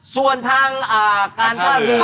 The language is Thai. ส่วนทางการท่าเรือ